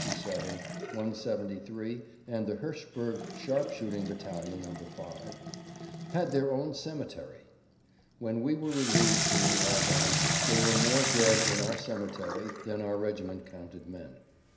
145, 67, 173, and the Hirschberg sharpshooting battalion No. 5) had their own cemetery. When we were relieved in the Argonnes there were more dead in our cemetery than our regiment counted men.